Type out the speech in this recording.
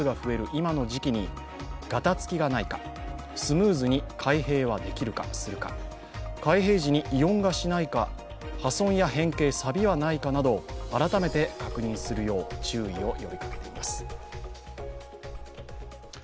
今の時期にがたつきがないか、スムーズに開閉ができるか、するか開閉時に異音がしないか破損や変形、さびはないかなど改めて確認するよう注意を呼びかけています。